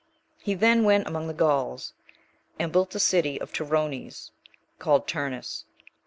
He then went among the Gauls, and built the city of the Turones, called Turnis.